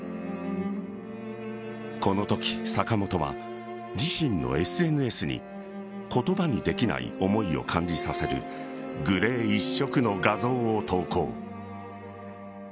このとき、坂本は自身のＳＮＳに言葉にできない思いを感じさせるグレー一色の画像を投稿。